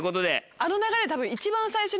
あの流れで多分。